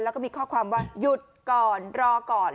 แล้วก็มีข้อความว่าหยุดก่อนรอก่อน